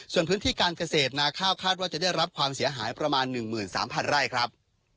ส่วนพื้นที่การเกษตรนาข้าวคาดว่าจะได้รับความเสียหายประมาณ๑๓๐๐ไร่ครับ